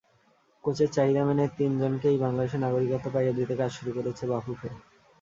কোচের চাহিদা মেনে তিনজনকেই বাংলাদেশের নাগরিকত্ব পাইয়ে দিতে কাজ শুরু করেছে বাফুফে।